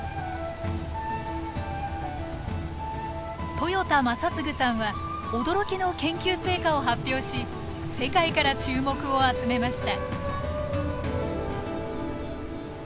豊田正嗣さんは驚きの研究成果を発表し世界から注目を集めました。